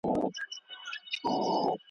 په لومړۍ شپه وو خپل خدای ته ژړېدلی .